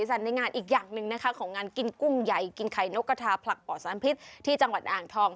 ได้ยินไหมคุณชนะอ๋อรางมันอ่อนรางมันไม่ดีไขมันก็แกว่ง